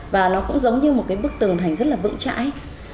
và nó cũng giống như một cái bức tường thành rất là vững chãi